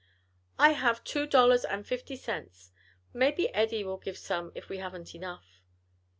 "I have two dollars and fifty cents; maybe Eddie will give some if we haven't enough."